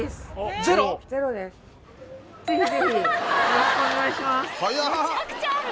是非是非よろしくお願いします。